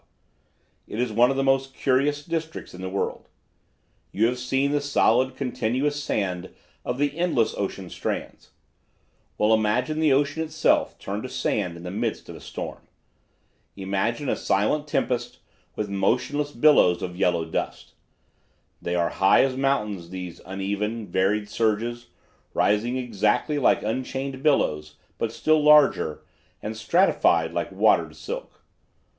It is one of the most curious districts in the world. You have seen the solid continuous sand of the endless ocean strands. Well, imagine the ocean itself turned to sand in the midst of a storm. Imagine a silent tempest with motionless billows of yellow dust. They are high as mountains, these uneven, varied surges, rising exactly like unchained billows, but still larger, and stratified like watered silk.